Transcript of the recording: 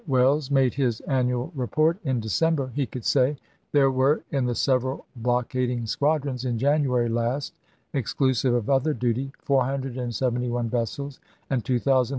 "Welles made his annual report, in December, he could say :" There were in the several blockading squadrons in January last, exclusive of other duty, orSe 471 vessels and 2455 guns.